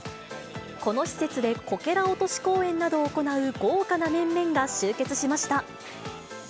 この施設でこけら落とし公演などを行う豪華な面々が集結しました。